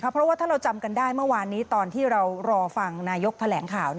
เพราะว่าถ้าเราจำกันได้เมื่อวานนี้ตอนที่เรารอฟังนายกแถลงข่าว